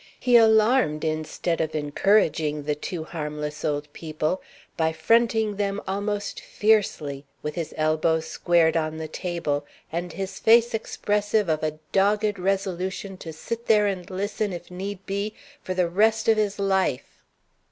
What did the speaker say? He alarmed, instead of encouraging the two harmless old people, by fronting them almost fiercely, with his elbows squared on the table, and his face expressive of a dogged resolution to sit there and listen, if need be, for the rest of his life.